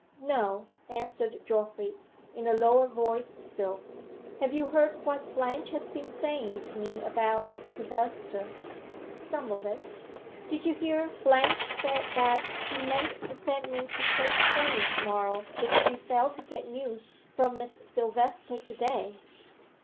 "No," answered Geoffrey, in a lower voice still. "Have you heard what Blanche has been saying to me about Miss Silvester?" "Some of it." "Did you hear Blanche say that she meant to send me to Craig Fernie to morrow, if she failed to get news from Miss Silvester to day?"